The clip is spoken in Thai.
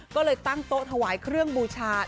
ก็เลยตั้งโต๊ะถวายเครื่องบูชา